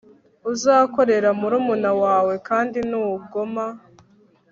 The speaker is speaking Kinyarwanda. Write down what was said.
uzakorera murumuna wawe kandi nugoma